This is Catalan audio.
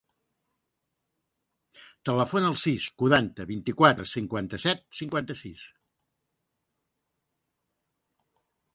Telefona al sis, quaranta, vint-i-quatre, cinquanta-set, cinquanta-sis.